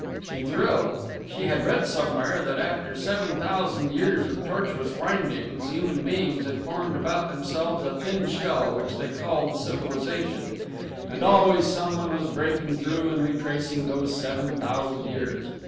She thrilled! She had read somewhere that after seven thousand years of tortuous windings human beings had formed about themselves a thin shell which they called civilization. And always someone was breaking through and retracing those seven thousand years.